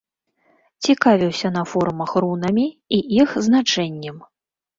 Цікавіўся на форумах рунамі і іх значэннем.